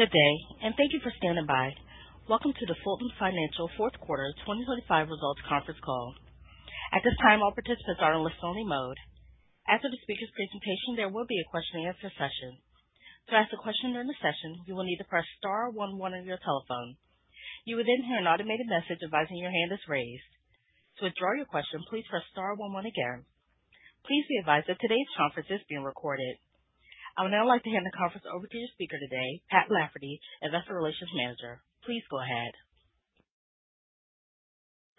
Good day and thank you for standing by. Welcome to the Fulton Financial Fourth Quarter 2025 Results Conference Call. At this time, all participants are in listen-only mode. After the speaker's presentation, there will be a question-and-answer session. To ask a question during the session, you will need to press star 11 on your telephone. You will then hear an automated message advising your hand is raised. To withdraw your question, please press star 11 again. Please be advised that today's conference is being recorded. I would now like to hand the conference over to your speaker today, Pat Lafferty, Investor Relations Manager. Please go ahead.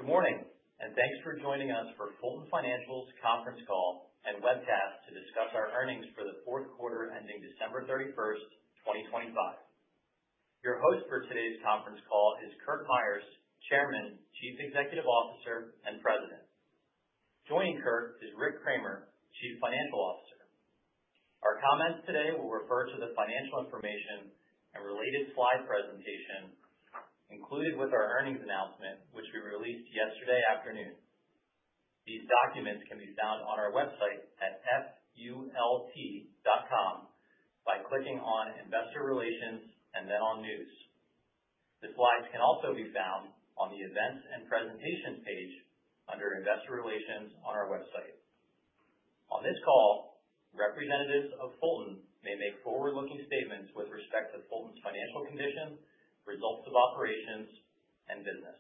Good morning, and thanks for joining us for Fulton Financial's Conference Call and Webcast to discuss our Earnings for the Fourth Quarter ending December 31st, 2025. Your host for today's conference call is Curt Myers, Chairman, Chief Executive Officer, and President. Joining Curt is Rick Kraemer, Chief Financial Officer. Our comments today will refer to the financial information and related slide presentation included with our earnings announcement, which we released yesterday afternoon. These documents can be found on our website at fulton.com by clicking on Investor Relations and then on News. The slides can also be found on the Events and Presentations page under Investor Relations on our website. On this call, representatives of Fulton may make forward-looking statements with respect to Fulton's financial condition, results of operations, and business.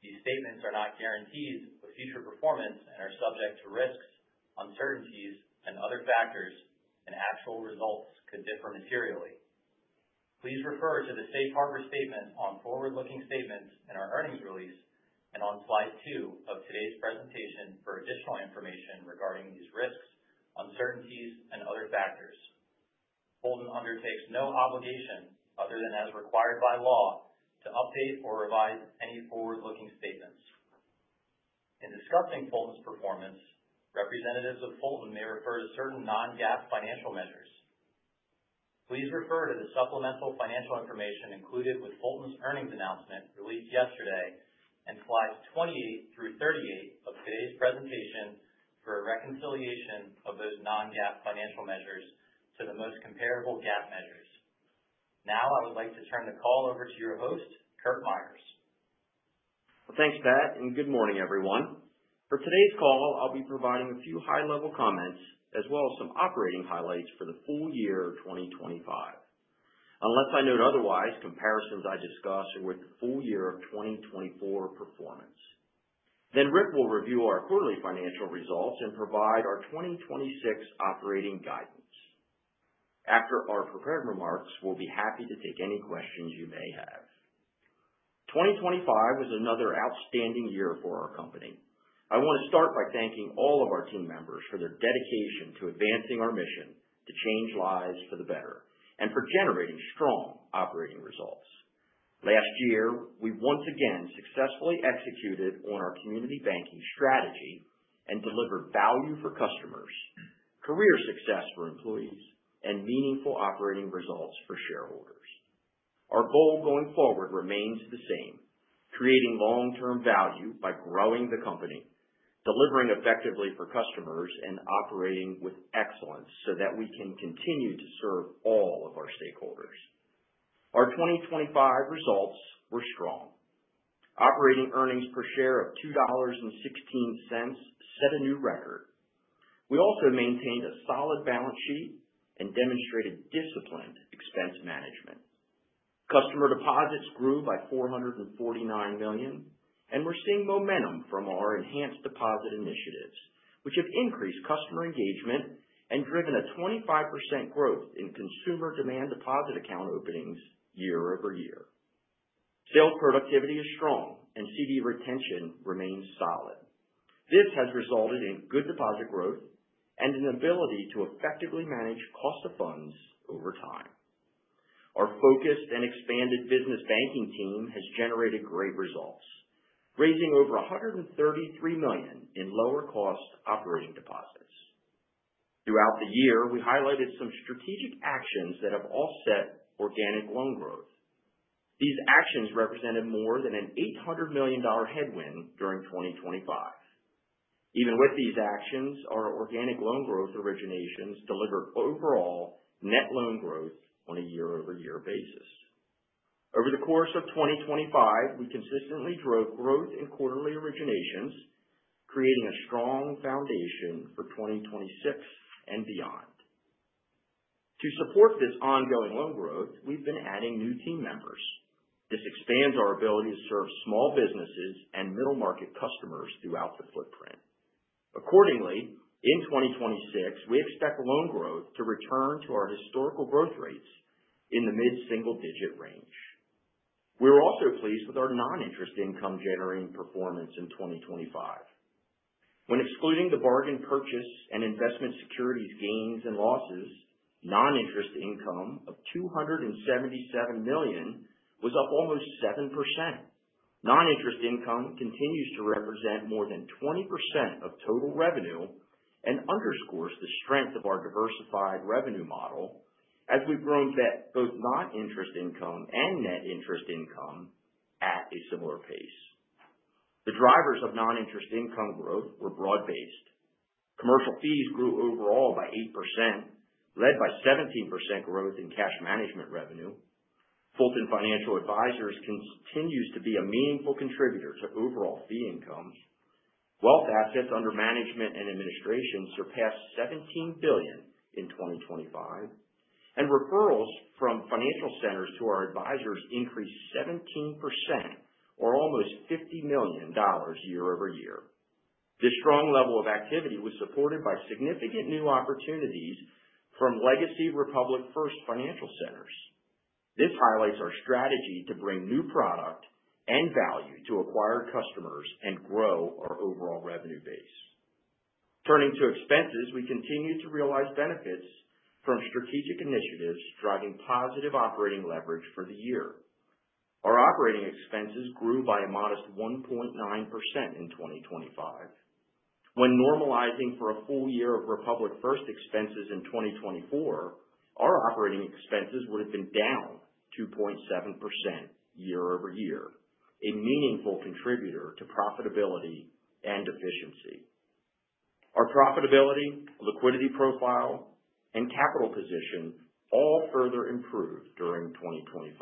These statements are not guarantees of future performance and are subject to risks, uncertainties, and other factors, and actual results could differ materially. Please refer to the safe harbor statement on forward-looking statements in our earnings release and on slide two of today's presentation for additional information regarding these risks, uncertainties, and other factors. Fulton undertakes no obligation other than as required by law to update or revise any forward-looking statements. In discussing Fulton's performance, representatives of Fulton may refer to certain non-GAAP financial measures. Please refer to the supplemental financial information included with Fulton's earnings announcement released yesterday and slides 28 through 38 of today's presentation for a reconciliation of those non-GAAP financial measures to the most comparable GAAP measures. Now, I would like to turn the call over to your host, Curt Myers. Thanks, Pat, and good morning, everyone. For today's call, I'll be providing a few high-level comments as well as some operating highlights for the full year 2025. Unless I note otherwise, comparisons I discuss are with the full year of 2024 performance. Then Rick will review our quarterly financial results and provide our 2026 operating guidance. After our prepared remarks, we'll be happy to take any questions you may have. ' 2025 was another outstanding year for our company. I want to start by thanking all of our team members for their dedication to advancing our mission to change lives for the better and for generating strong operating results. Last year, we once again successfully executed on our community banking strategy and delivered value for customers, career success for employees, and meaningful operating results for shareholders. Our goal going forward remains the same: creating long-term value by growing the company, delivering effectively for customers, and operating with excellence so that we can continue to serve all of our stakeholders. Our 2025 results were strong. Operating earnings per share of $2.16 set a new record. We also maintained a solid balance sheet and demonstrated disciplined expense management. Customer deposits grew by $449 million, and we're seeing momentum from our enhanced deposit initiatives, which have increased customer engagement and driven a 25% growth in consumer demand deposit account openings year-over-year. Sales productivity is strong, and CD retention remains solid. This has resulted in good deposit growth and an ability to effectively manage cost of funds over time. Our focused and expanded business banking team has generated great results, raising over $133 million in lower-cost operating deposits. Throughout the year, we highlighted some strategic actions that have offset organic loan growth. These actions represented more than an $800 million headwind during 2025. Even with these actions, our organic loan growth originations delivered overall net loan growth on a year-over-year basis. Over the course of 2025, we consistently drove growth in quarterly originations, creating a strong foundation for 2026 and beyond. To support this ongoing loan growth, we've been adding new team members. This expands our ability to serve small businesses and middle-market customers throughout the footprint. Accordingly, in 2026, we expect loan growth to return to our historical growth rates in the mid-single-digit range. We're also pleased with our non-interest income-generating performance in 2025. When excluding the bargain purchase and investment securities gains and losses, non-interest income of $277 million was up almost 7%. Non-interest income continues to represent more than 20% of total revenue and underscores the strength of our diversified revenue model as we've grown both non-interest income and net interest income at a similar pace. The drivers of non-interest income growth were broad-based. Commercial fees grew overall by 8%, led by 17% growth in cash management revenue. Fulton Financial Advisors continues to be a meaningful contributor to overall fee incomes. Wealth assets under management and administration surpassed $17 billion in 2025, and referrals from financial centers to our advisors increased 17%, or almost $50 million year-over-year. This strong level of activity was supported by significant new opportunities from legacy Republic First financial centers. This highlights our strategy to bring new product and value to acquired customers and grow our overall revenue base. Turning to expenses, we continue to realize benefits from strategic initiatives driving positive operating leverage for the year. Our operating expenses grew by a modest 1.9% in 2025. When normalizing for a full year of Republic First expenses in 2024, our operating expenses would have been down 2.7% year-over-year, a meaningful contributor to profitability and efficiency. Our profitability, liquidity profile, and capital position all further improved during 2025.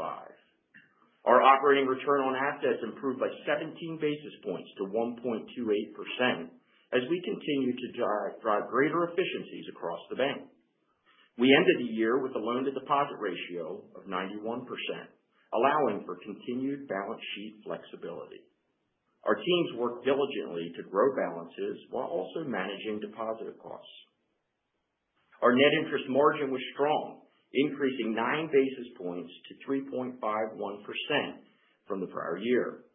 Our operating return on assets improved by 17 basis points to 1.28% as we continue to drive greater efficiencies across the bank. We ended the year with a loan-to-deposit ratio of 91%, allowing for continued balance sheet flexibility. Our teams worked diligently to grow balances while also managing deposit costs. Our net interest margin was strong, increasing 9 basis points to 3.51% from the prior year.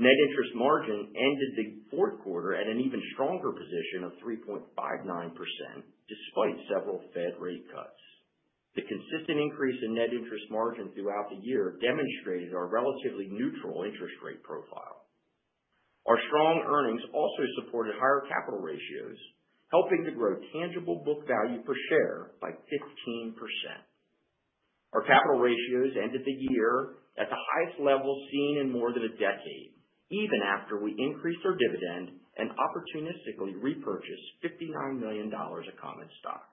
Net interest margin ended the fourth quarter at an even stronger position of 3.59% despite several Fed rate cuts. The consistent increase in net interest margin throughout the year demonstrated our relatively neutral interest rate profile. Our strong earnings also supported higher capital ratios, helping to grow tangible book value per share by 15%. Our capital ratios ended the year at the highest level seen in more than a decade, even after we increased our dividend and opportunistically repurchased $59 million of common stock.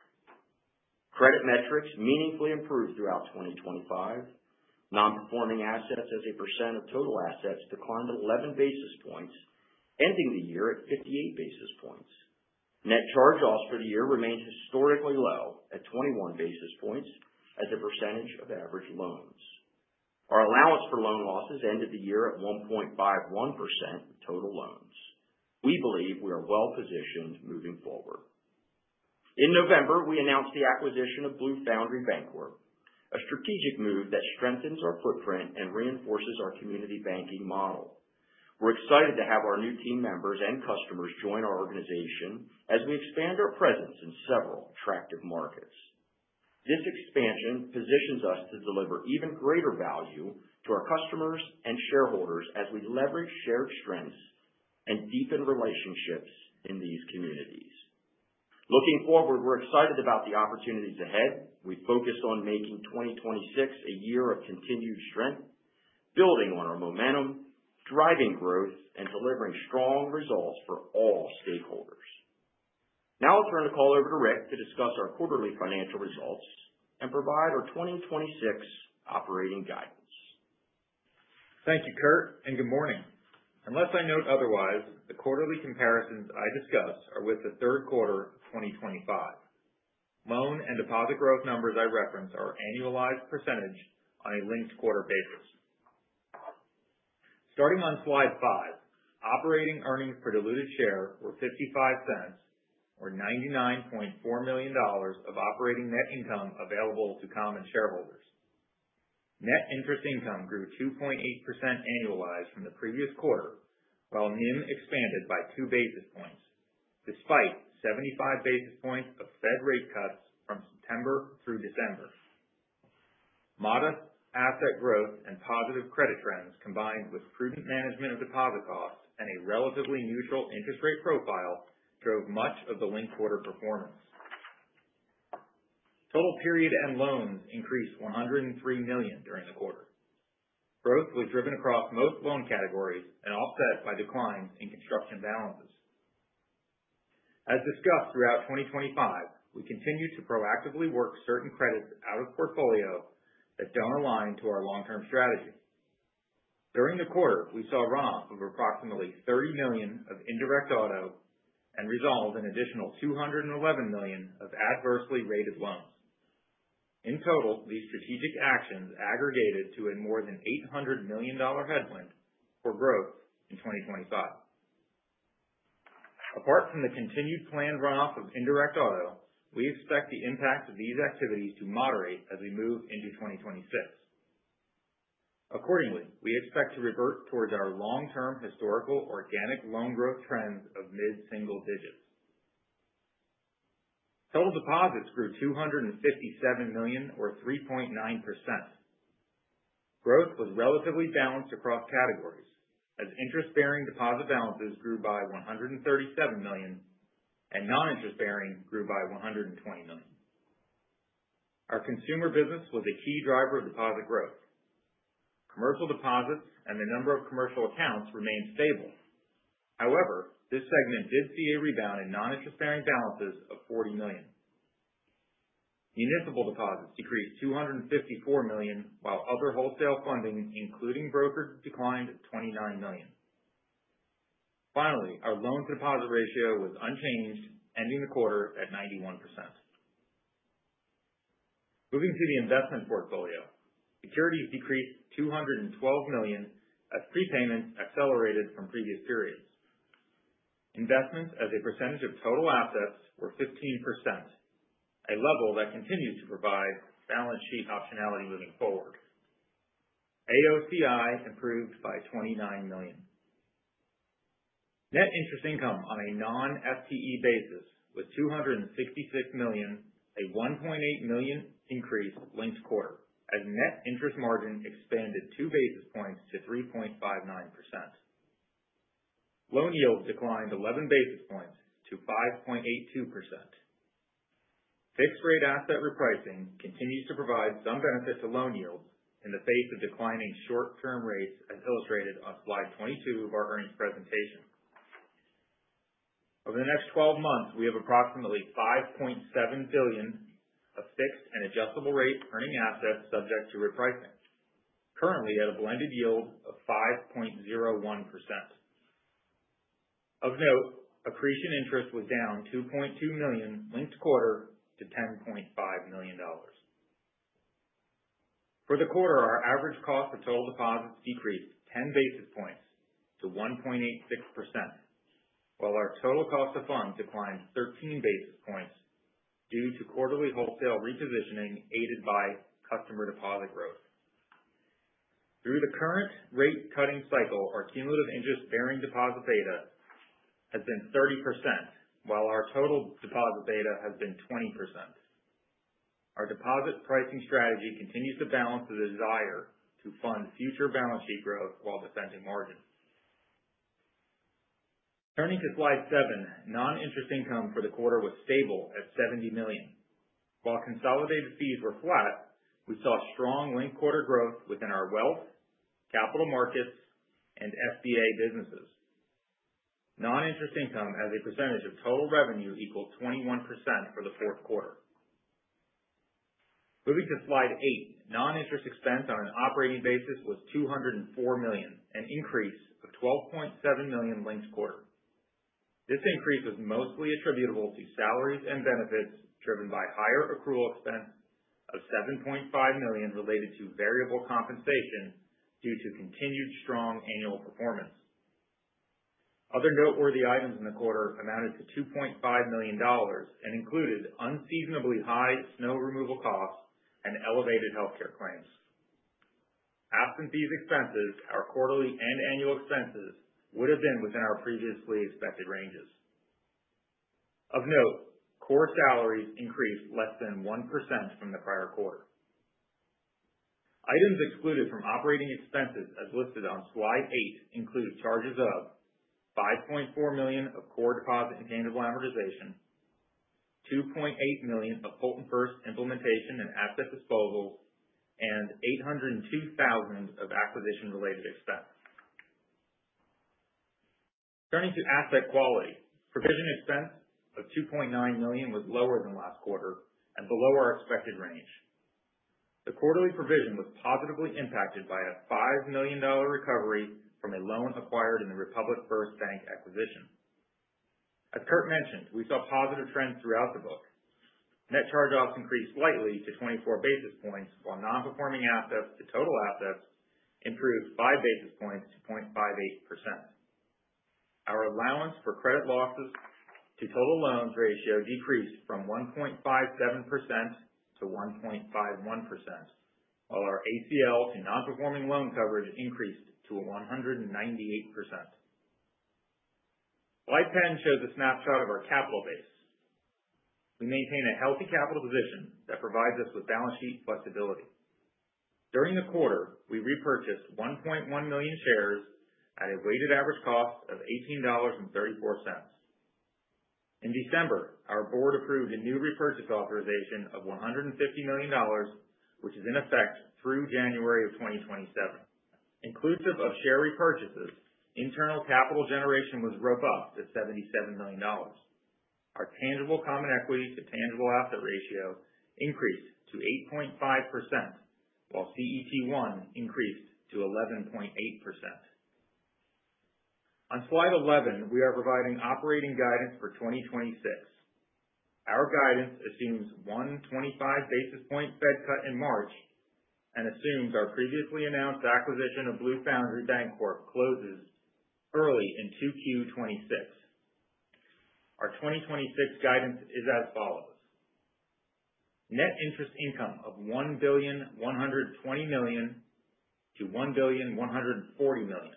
Credit metrics meaningfully improved throughout 2025. Non-performing assets as a percent of total assets declined 11 basis points, ending the year at 58 basis points. Net charge-offs for the year remained historically low at 21 basis points as a percentage of average loans. Our allowance for loan losses ended the year at 1.51% of total loans. We believe we are well-positioned moving forward. In November, we announced the acquisition of Blue Foundry Bancorp, a strategic move that strengthens our footprint and reinforces our community banking model. We're excited to have our new team members and customers join our organization as we expand our presence in several attractive markets. This expansion positions us to deliver even greater value to our customers and shareholders as we leverage shared strengths and deepen relationships in these communities. Looking forward, we're excited about the opportunities ahead. We focus on making 2026 a year of continued strength, building on our momentum, driving growth, and delivering strong results for all stakeholders. Now I'll turn the call over to Rick to discuss our quarterly financial results and provide our 2026 operating guidance. Thank you, Curt, and good morning. Unless I note otherwise, the quarterly comparisons I discussed are with the third quarter of 2025. Loan and deposit growth numbers I referenced are annualized percentage on a linked quarter basis. Starting on slide five, operating earnings per diluted share were $0.55, or $99.4 million of operating net income available to common shareholders. Net interest income grew 2.8% annualized from the previous quarter, while NIM expanded by two basis points despite 75 basis points of Fed rate cuts from September through December. Modest asset growth and positive credit trends combined with prudent management of deposit costs and a relatively neutral interest rate profile drove much of the linked quarter performance. Total period-end loans increased $103 million during the quarter. Growth was driven across most loan categories and offset by declines in construction balances. As discussed throughout 2025, we continue to proactively work certain credits out of portfolio that don't align to our long-term strategy. During the quarter, we saw runoff of approximately $30 million of indirect auto and resolved an additional $211 million of adversely rated loans. In total, these strategic actions aggregated to a more than $800 million headwind for growth in 2025. Apart from the continued planned runoff of indirect auto, we expect the impact of these activities to moderate as we move into 2026. Accordingly, we expect to revert towards our long-term historical organic loan growth trends of mid-single digits. Total deposits grew $257 million, or 3.9%. Growth was relatively balanced across categories as interest-bearing deposit balances grew by $137 million and non-interest-bearing grew by $120 million. Our consumer business was a key driver of deposit growth. Commercial deposits and the number of commercial accounts remained stable. However, this segment did see a rebound in non-interest-bearing balances of $40 million. Municipal deposits decreased $254 million, while other wholesale funding, including brokers, declined $29 million. Finally, our loan-to-deposit ratio was unchanged, ending the quarter at 91%. Moving to the investment portfolio, securities decreased $212 million as prepayments accelerated from previous periods. Investments as a percentage of total assets were 15%, a level that continues to provide balance sheet optionality moving forward. AOCI improved by $29 million. Net interest income on a non-FTE basis was $266 million, a $1.8 million increase linked quarter as net interest margin expanded 2 basis points to 3.59%. Loan yields declined 11 basis points to 5.82%. Fixed-rate asset repricing continues to provide some benefit to loan yields in the face of declining short-term rates, as illustrated on slide 22 of our earnings presentation. Over the next 12 months, we have approximately $5.7 billion of fixed and adjustable rate earning assets subject to repricing, currently at a blended yield of 5.01%. Of note, accretion interest was down $2.2 million linked quarter to $10.5 million. For the quarter, our average cost of total deposits decreased 10 basis points to 1.86%, while our total cost of funds declined 13 basis points due to quarterly wholesale repositioning aided by customer deposit growth. Through the current rate-cutting cycle, our cumulative interest-bearing deposit beta has been 30%, while our total deposit beta has been 20%. Our deposit pricing strategy continues to balance the desire to fund future balance sheet growth while defending margin. Turning to slide seven, non-interest income for the quarter was stable at $70 million. While consolidated fees were flat, we saw strong linked quarter growth within our wealth, capital markets, and SBA businesses. Non-interest income as a percentage of total revenue equaled 21% for the fourth quarter. Moving to slide eight, non-interest expense on an operating basis was $204 million, an increase of $12.7 million linked quarter. This increase was mostly attributable to salaries and benefits driven by higher accrual expense of $7.5 million related to variable compensation due to continued strong annual performance. Other noteworthy items in the quarter amounted to $2.5 million and included unseasonably high snow removal costs and elevated healthcare claims. Absent these expenses, our quarterly and annual expenses would have been within our previously expected ranges. Of note, core salaries increased less than 1% from the prior quarter. Items excluded from operating expenses as listed on slide eight include charges of $5.4 million of core deposit intangible amortization, $2.8 million of FultonFirst implementation and asset disposals, and $802,000 of acquisition-related expense. Turning to asset quality, provision expense of $2.9 million was lower than last quarter and below our expected range. The quarterly provision was positively impacted by a $5 million recovery from a loan acquired in the Republic First Bank acquisition. As Curt mentioned, we saw positive trends throughout the book. Net charge-offs increased slightly to 24 basis points, while non-performing assets to total assets improved 5 basis points to 0.58%. Our allowance for credit losses to total loans ratio decreased from 1.57% to 1.51%, while our ACL to non-performing loan coverage increased to 198%. Slide 10 shows a snapshot of our capital base. We maintain a healthy capital position that provides us with balance sheet flexibility. During the quarter, we repurchased 1.1 million shares at a weighted average cost of $18.34. In December, our board approved a new repurchase authorization of $150 million, which is in effect through January of 2027. Inclusive of share repurchases, internal capital generation was roughly up to $77 million. Our tangible common equity to tangible asset ratio increased to 8.5%, while CET1 increased to 11.8%. On slide 11, we are providing operating guidance for 2026. Our guidance assumes one 25 basis points Fed cut in March and assumes our previously announced acquisition of Blue Foundry Bancorp closes early in 2Q 2026. Our 2026 guidance is as follows: Net interest income of $1,120 million-$1,140 million.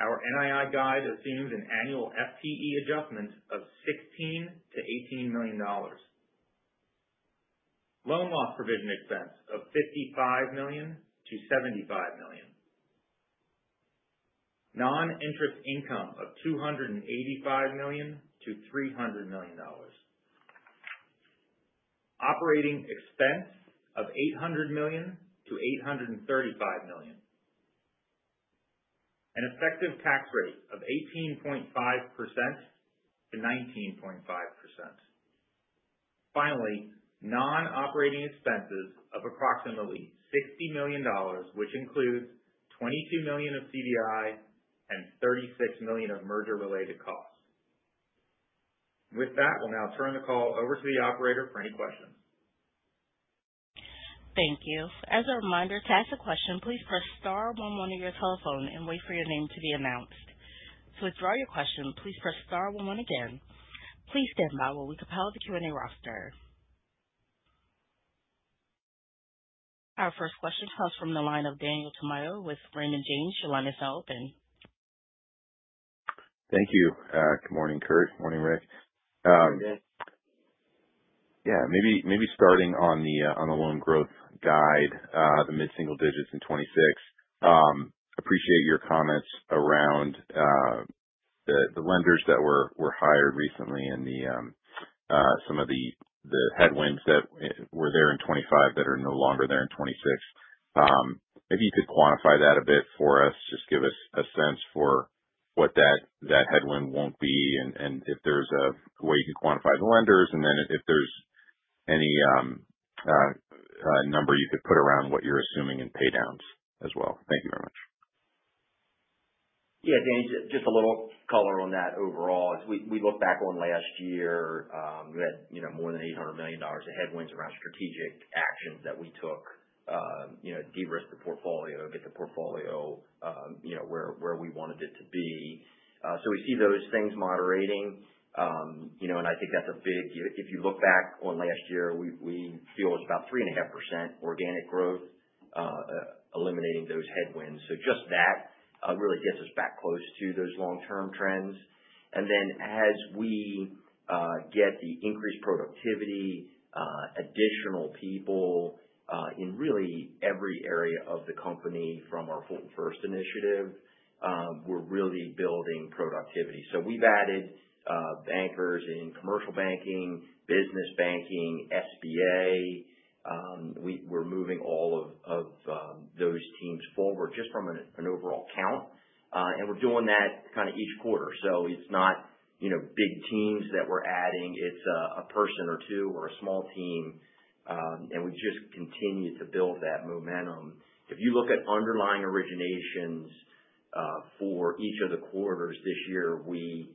Our NII guide assumes an annual FTE adjustment of $16 million-$18 million. Loan loss provision expense of $55 million-$75 million. Non-interest income of $285 million-$300 million. Operating expense of $800 million-$835 million. An effective tax rate of 18.5%-19.5%. Finally, non-operating expenses of approximately $60 million, which includes $22 million of CDI and $36 million of merger-related costs. With that, we'll now turn the call over to the operator for any questions. Thank you. As a reminder, to ask a question, please press star one one on your telephone and wait for your name to be announced. To withdraw your question, please press star one one again. Please stand by while we compile the Q&A roster. Our first question comes from the line of Daniel Tamayo with Raymond James. Your line is now open. Thank you. Good morning, Curt. Good morning, Rick. Good morning, Dan. Yeah. Maybe starting on the loan growth guide, the mid-single digits in 2026. Appreciate your comments around the lenders that were hired recently and some of the headwinds that were there in 2025 that are no longer there in 2026. Maybe you could quantify that a bit for us, just give us a sense for what that headwind won't be and if there's a way you can quantify the lenders, and then if there's any number you could put around what you're assuming in pay downs as well. Thank you very much. Yeah, Danny, just a little color on that overall. We look back on last year, we had more than $800 million of headwinds around strategic actions that we took, de-risk the portfolio, get the portfolio where we wanted it to be. So we see those things moderating, and I think that's a big if you look back on last year, we feel it was about 3.5% organic growth, eliminating those headwinds. So just that really gets us back close to those long-term trends. And then as we get the increased productivity, additional people in really every area of the company from our FultonFirst initiative, we're really building productivity. So we've added bankers in commercial banking, business banking, SBA. We're moving all of those teams forward just from an overall count, and we're doing that kind of each quarter. So it's not big teams that we're adding. It's a person or two or a small team, and we just continue to build that momentum. If you look at underlying originations for each of the quarters this year, we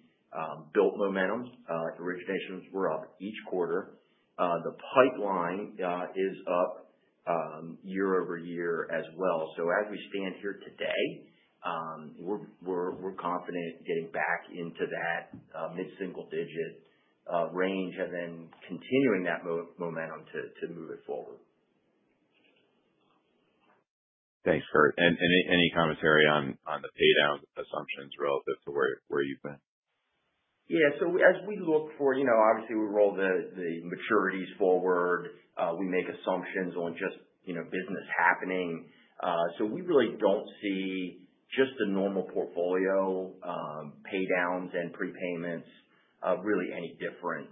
built momentum. Originations were up each quarter. The pipeline is up year-over-year as well. So as we stand here today, we're confident getting back into that mid-single digit range and then continuing that momentum to move it forward. Thanks, Curt. And any commentary on the pay downs assumptions relative to where you've been? Yeah. So as we look forward, obviously, we roll the maturities forward. We make assumptions on just business happening. So we really don't see just the normal portfolio pay downs and prepayments really any different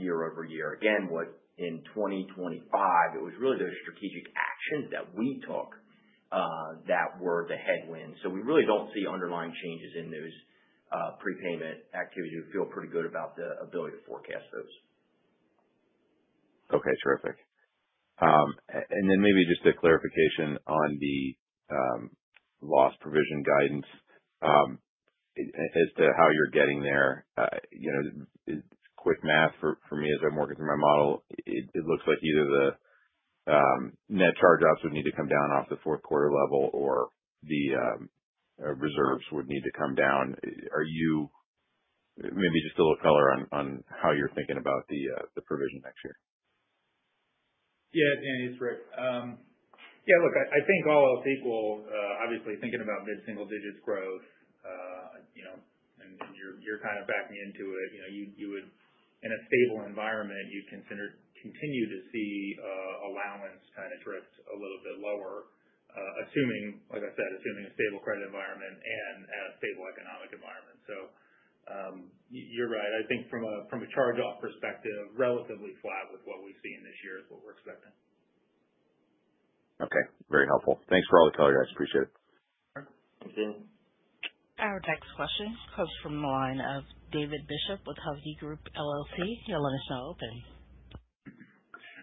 year-over-year. Again, in 2025, it was really those strategic actions that we took that were the headwinds. So we really don't see underlying changes in those prepayment activities. We feel pretty good about the ability to forecast those. Okay. Terrific. And then maybe just a clarification on the loss provision guidance as to how you're getting there. Quick math for me as I'm working through my model, it looks like either the net charge-offs would need to come down off the fourth quarter level or the reserves would need to come down. Maybe just a little color on how you're thinking about the provision next year. Yeah, Danny, it's Rick. Yeah, look, I think all else equal, obviously, thinking about mid-single digits growth, and you're kind of backing into it, in a stable environment, you'd consider continue to see allowance kind of drift a little bit lower, like I said, assuming a stable credit environment and a stable economic environment. So you're right. I think from a charge-off perspective, relatively flat with what we've seen this year is what we're expecting. Okay. Very helpful. Thanks for all the color, guys. Appreciate it. Thanks, Dan. Our next question comes from the line of David Bishop with Hovde Group LLC. He'll let us know open.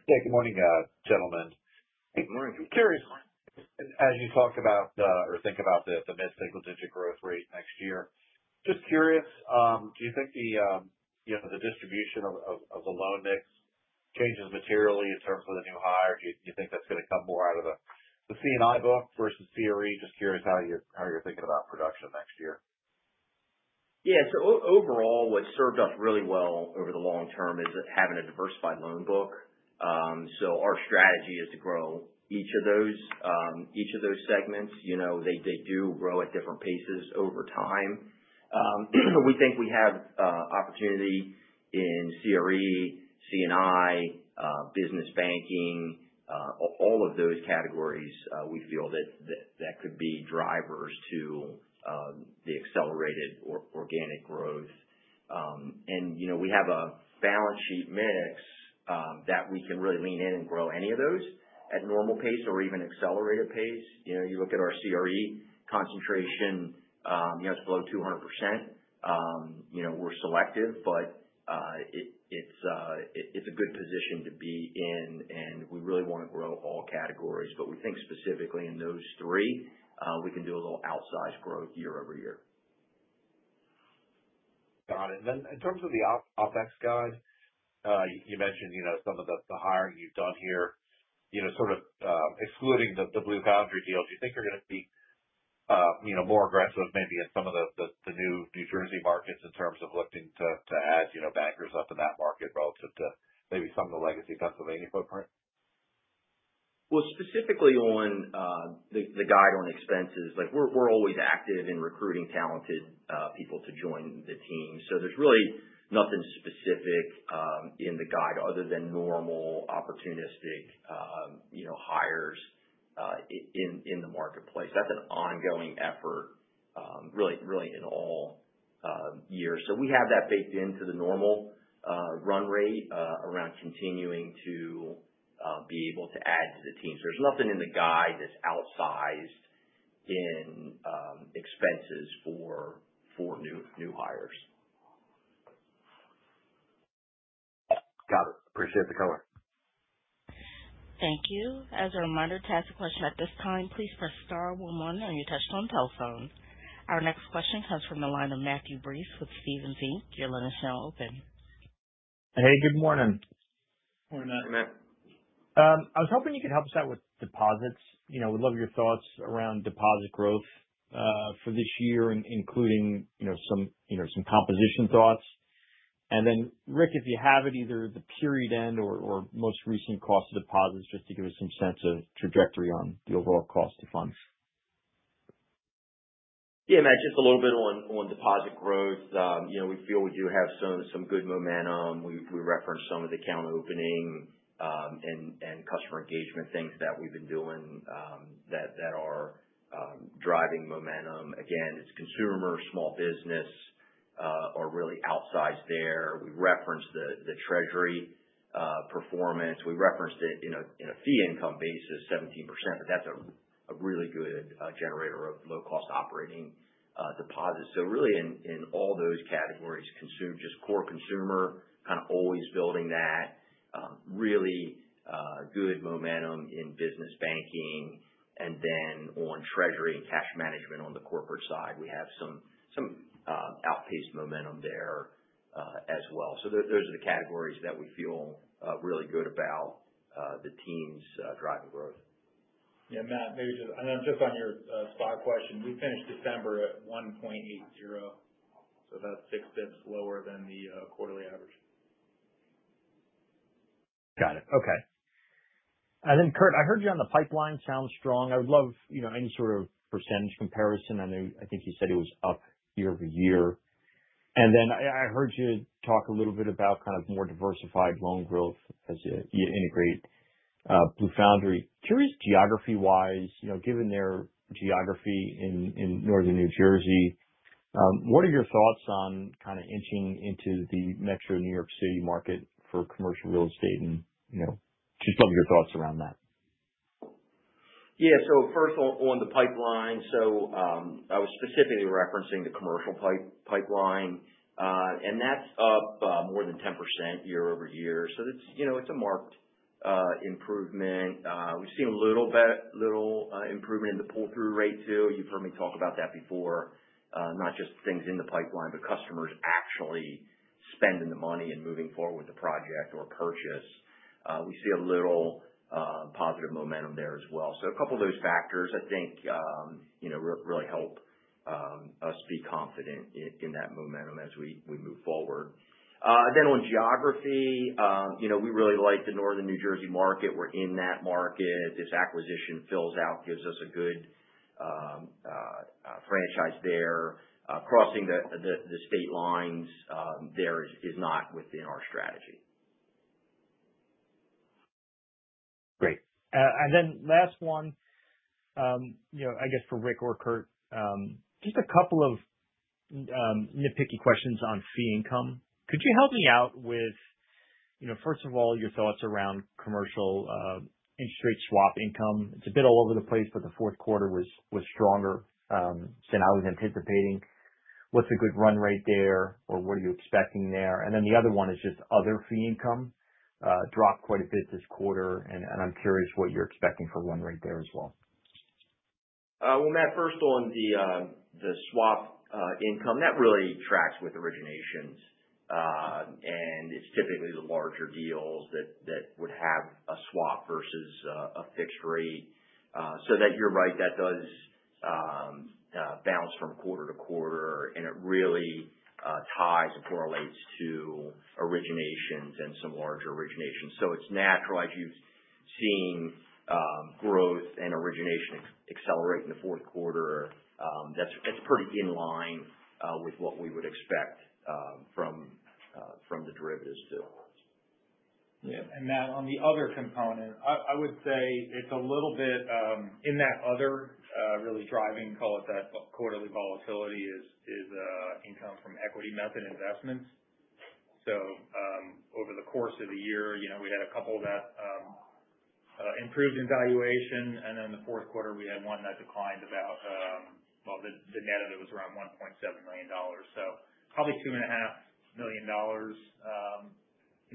Yeah. Good morning, gentlemen. Good morning. Curious, as you talk about or think about the mid-single digit growth rate next year, just curious, do you think the distribution of the loan mix changes materially in terms of the new hire? Do you think that's going to come more out of the C&I book versus CRE? Just curious how you're thinking about production next year. Yeah. So overall, what served us really well over the long term is having a diversified loan book. So our strategy is to grow each of those segments. They do grow at different paces over time. We think we have opportunity in CRE, C&I, business banking, all of those categories. We feel that that could be drivers to the accelerated organic growth. And we have a balance sheet mix that we can really lean in and grow any of those at normal pace or even accelerated pace. You look at our CRE concentration. It's below 200%. We're selective, but it's a good position to be in, and we really want to grow all categories. But we think specifically in those three, we can do a little outsized growth year-over-year. Got it. Then in terms of the OpEx guide, you mentioned some of the hiring you've done here. Sort of excluding the Blue Foundry deal, do you think you're going to be more aggressive maybe in some of the new New Jersey markets in terms of looking to add bankers up in that market relative to maybe some of the legacy Pennsylvania footprint? Well, specifically on the guide on expenses, we're always active in recruiting talented people to join the team. So there's really nothing specific in the guide other than normal opportunistic hires in the marketplace. That's an ongoing effort really in all years. So we have that baked into the normal run rate around continuing to be able to add to the team. So there's nothing in the guide that's outsized in expenses for new hires. Got it. Appreciate the color. Thank you. As a reminder, to ask a question at this time, please press star one one on your touch-tone telephone. Our next question comes from the line of Matthew Breese with Stephens Inc. Your line is open. Hey, good morning. Morning, Matt. Morning, Matt. I was hoping you could help us out with deposits. We'd love your thoughts around deposit growth for this year, including some composition thoughts. And then, Rick, if you have it, either the period end or most recent cost of deposits just to give us some sense of trajectory on the overall cost of funds. Yeah, Matt. Just a little bit on deposit growth. We feel we do have some good momentum. We reference some of the account opening and customer engagement things that we've been doing that are driving momentum. Again, it's consumer, small business are really outsized there. We referenced the Treasury performance. We referenced it in a fee income basis, 17%, but that's a really good generator of low-cost operating deposits. So really, in all those categories, consumer, just core consumer, kind of always building that. Really good momentum in business banking. And then on Treasury and cash management on the corporate side, we have some outpaced momentum there as well. So those are the categories that we feel really good about the team's driving growth. Yeah, Matt. And then just on your spot question, we finished December at 1.80%, so about 6 basis points lower than the quarterly average. Got it. Okay. And then, Curt, I heard you on the pipeline sound strong. I would love any sort of percentage comparison. I think you said it was up year-over-year. And then I heard you talk a little bit about kind of more diversified loan growth as you integrate Blue Foundry. Curious geography-wise, given their geography in northern New Jersey, what are your thoughts on kind of inching into the metro New York City market for commercial real estate and just some of your thoughts around that? Yeah. So, first, on the pipeline, so I was specifically referencing the commercial pipeline, and that's up more than 10% year-over-year. So, it's a marked improvement. We've seen a little improvement in the pull-through rate too. You've heard me talk about that before, not just things in the pipeline, but customers actually spending the money and moving forward with the project or purchase. We see a little positive momentum there as well. So a couple of those factors, I think, really help us be confident in that momentum as we move forward. Then on geography, we really like the northern New Jersey market. We're in that market. This acquisition fills out, gives us a good franchise there. Crossing the state lines there is not within our strategy. Great. And then last one, I guess for Rick or Curt, just a couple of nitpicky questions on fee income. Could you help me out with, first of all, your thoughts around commercial interest rate swap income? It's a bit all over the place, but the fourth quarter was stronger than I was anticipating. What's a good run rate there, or what are you expecting there? And then the other one is just other fee income dropped quite a bit this quarter, and I'm curious what you're expecting for run rate there as well. Matt, first on the swap income, that really tracks with originations, and it's typically the larger deals that would have a swap versus a fixed rate. So that you're right, that does bounce from quarter to quarter, and it really ties and correlates to originations and some larger originations. So it's natural, as you've seen, growth and origination accelerating the fourth quarter. That's pretty in line with what we would expect from the derivatives too. Yeah. And Matt, on the other component, I would say it's a little bit in that other really driving, call it that, quarterly volatility is income from equity method investments. So over the course of the year, we had a couple that improved in valuation, and then the fourth quarter, we had one that declined about, well, the net of it was around $1.7 million. So, probably $2.5 million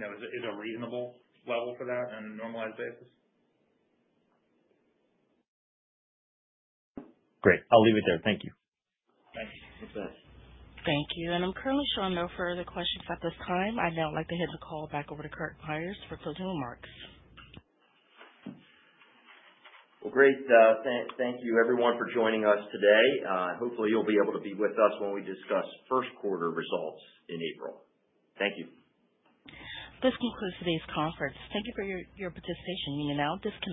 is a reasonable level for that on a normalized basis. Great. I'll leave it there. Thank you. Thank you. That's it. Thank you. And I'm currently showing no further questions at this time. I now would like to hand the call back over to Curt Myers for closing remarks. Great. Thank you, everyone, for joining us today. Hopefully, you'll be able to be with us when we discuss first quarter results in April. Thank you. This concludes today's conference. Thank you for your participation. You may now disconnect.